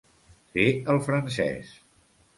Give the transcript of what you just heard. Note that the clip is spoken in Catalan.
Fer el francès.